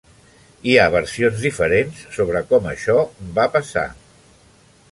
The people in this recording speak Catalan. Hi ha versions diferents sobre com això va passar.